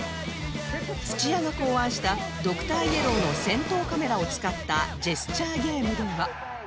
土屋が考案したドクターイエローの先頭カメラを使ったジェスチャーゲームでは